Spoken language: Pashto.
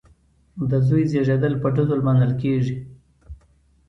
د زوی زیږیدل په ډزو لمانځل کیږي.